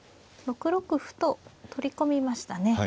６六歩と取り込みましたね。